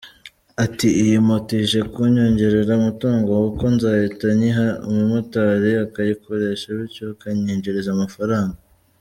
Ati “Iyi moto ije kunyongerera umutungo kuko nzahita nyiha umumotari akayikoresha bityo ikanyinjiriza amafaranga.